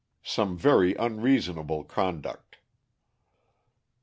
_Some very Unreasonable Conduct.